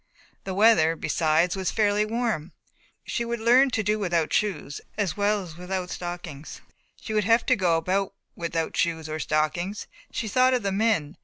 The weather, besides, was fairly warm. She would learn to do without shoes as well as without stockings. She would have to go about without shoes or stockings. She thought of the men.